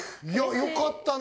よかったね！